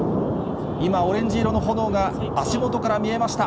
今、オレンジ色の炎が足元から見えました。